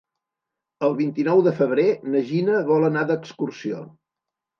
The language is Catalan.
El vint-i-nou de febrer na Gina vol anar d'excursió.